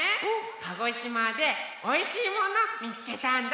鹿児島でおいしいものみつけたんだ。